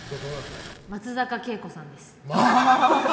松坂慶子さんです。